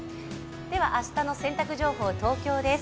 明日の洗濯情報、東京です。